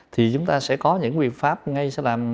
thì chúng ta sẽ có những nguyên pháp ngay sẽ làm